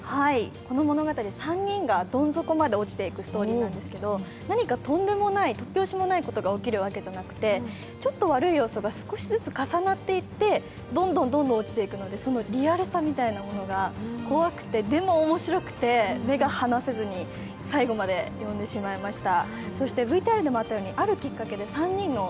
この物語、３人がどん底まで落ちていくストーリーなんですが何かとんでもない、突拍子もないことが起きるわけじゃなくてちょっと悪い要素が少しずつ重なっていってどんどん落ちていくので、そのリアルさみたいのが怖くて、でも面白くて目が離せずに最後まで読んでしまいました。